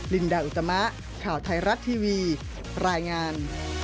ลินดาอุตมะข่าวไทยรัฐทีวีรายงาน